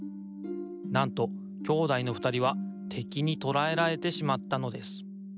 なんと兄弟のふたりはてきにとらえられてしまったのです。